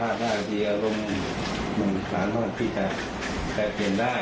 อาจจะมีอารมณ์ความค่อนข้างที่จะแชนได้